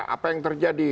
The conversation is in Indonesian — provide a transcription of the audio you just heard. apa yang terjadi